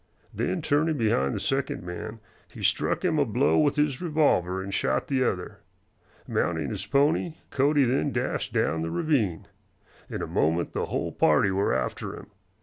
Then turning behind the second man, he struck him a blow with his revolver and shot the other. Mounting his pony, Cody then dashed down the ravine. In a moment the whole party were after him.